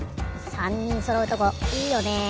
３にんそろうとこいいよね。